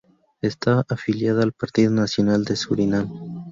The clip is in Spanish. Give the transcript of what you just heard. Está afiliada al Partido Nacional de Surinam.